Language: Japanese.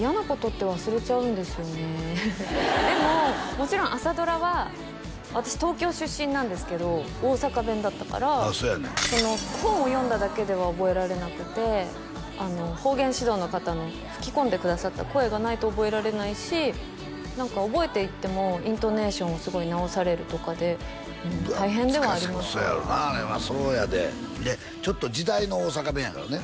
もちろん朝ドラは私東京出身なんですけど大阪弁だったから本を読んだだけでは覚えられなくて方言指導の方の吹き込んでくださった声がないと覚えられないし何か覚えていってもイントネーションをすごい直されるとかで大変ではありましたそうやろうなあれはそうやでちょっと時代の大阪弁やからね